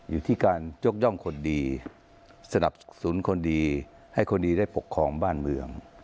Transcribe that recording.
อยู่ที่การยกย่องคนดีสนับสนุนคนดีให้คนดีได้ปกครองบ้านเมือง